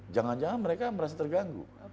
jangan jangan mereka merasa terganggu